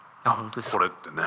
これってね。